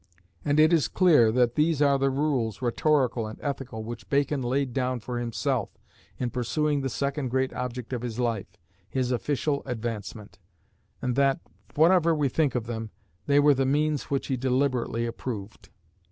And it is clear that these are the rules, rhetorical and ethical, which Bacon laid down for himself in pursuing the second great object of his life his official advancement; and that, whatever we think of them, they were the means which he deliberately approved.